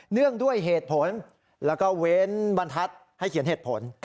เนื่องด้วยเหตุผลแล้วก็เว้นบรรทัศน์ให้เขียนเหตุผล